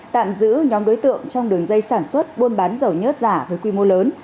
tạm giữ nhóm đối tượng trong đường dây sản xuất buôn bán dầu nhất giả với quy mô lớn